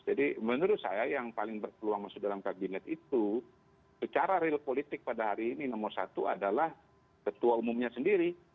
jadi menurut saya yang paling berpeluang masuk dalam kabinet itu secara real politik pada hari ini nomor satu adalah ketua umumnya sendiri